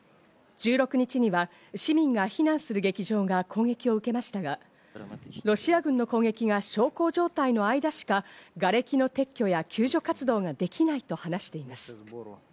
１６日には市民が避難する劇場が攻撃されましたが、ロシア軍の攻撃が小康状態の間しか、がれきの撤去や救助活動は、できないと話しています。